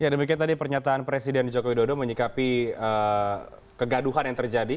ya demikian tadi pernyataan presiden joko widodo menyikapi kegaduhan yang terjadi